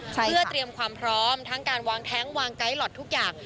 เพื่อเตรียมความพร้อมทั้งการวางแท้งวางไกด์หลอททุกอย่าง